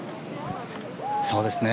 そうですね。